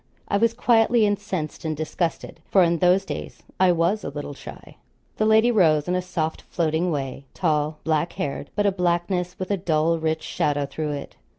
I was quietly incensed and disgusted; for in those days I was a little shy. The lady rose, in a soft floating way; tall, black haired but a blackness with a dull rich shadow through it.